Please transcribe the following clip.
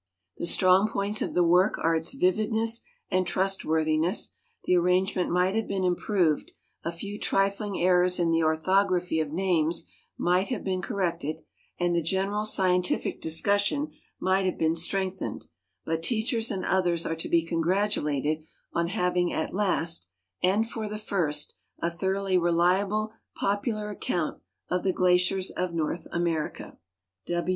The strong points of the work are its vividness and trustworthiness ; the arrangement might have been improved, a few trifling errors in the orthography of names might have been corrected, and the general scien tific dis('ussion might have been strengthened, but teachers and others are to be congratulated on having at last— and for the lii st a thoroughly reliable popular account of the glaciers of North America.